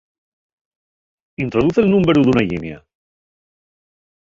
Introduz el númberu d'una llinia.